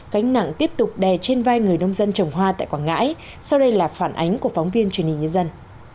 cánh nặng tiếp tục đè trên vai người nông dân trồng hoa tại quảng ngãi sau đây là phản ánh của phóng viên truyền hình nhân dân